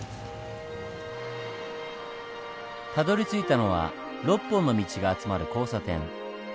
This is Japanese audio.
たどりついたのは６本の道が集まる交差点。